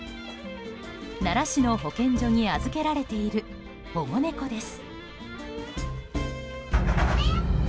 奈良市の保健所に預けられている保護猫です。